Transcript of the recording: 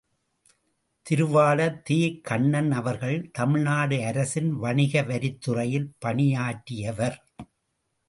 திருவாளர் தே.கண்ணன் அவர்கள் தமிழ்நாடு அரசின் வணிக வரித்துறையில் பணியாற்றியவர்.